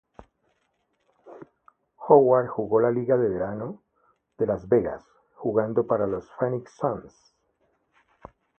Howard jugó la liga de verano de Las Vegas, jugando para los Phoenix Suns.